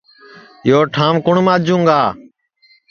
یو ٹھانٚو کُوٹؔ ماجوں گا